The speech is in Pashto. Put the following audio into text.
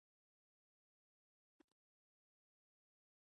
آيا هغوی دې ته ډاکتر ته د تلو اجازه نه ورکوله.